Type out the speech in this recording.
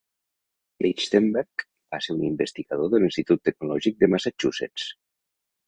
Lichtenberg va ser un investigador de l'Institut Tecnològic de Massachusetts.